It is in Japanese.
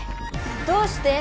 どうして？